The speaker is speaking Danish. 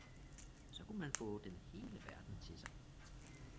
så kunne man få den hele verden til sig!